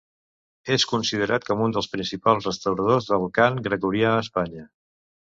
És considerat com un dels principals restauradors del cant gregorià a Espanya.